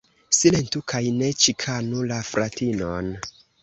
Silentu kaj ne ĉikanu la fratinon!